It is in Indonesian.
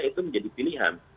itu menjadi pilihan